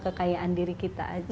kekayaan diri kita